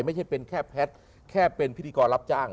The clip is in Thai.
ไม่ใช่เป็นแค่แพทย์แค่เป็นพิธีกรรับจ้าง